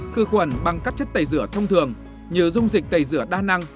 khử khuẩn bằng các chất tẩy rửa thông thường như dung dịch tẩy rửa đa năng